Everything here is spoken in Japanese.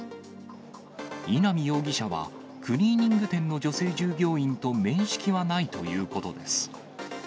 稲見容疑者は、クリーニング店の女性従業員と面識はないということです。